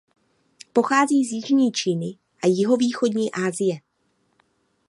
Pochází z jižní Číny a jihovýchodní Asie.